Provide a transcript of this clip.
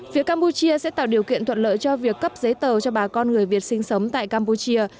phía campuchia sẽ tạo điều kiện thuận lợi cho việc cấp giấy tờ cho bà con người việt sinh sống tại campuchia